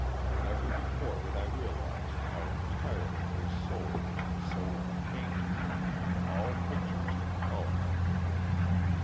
Never before had I realized how entirely his soul was the soul of a painter all pictures and colour.